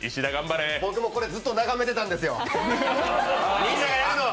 僕もこれ、ずっと眺めてたんですよ。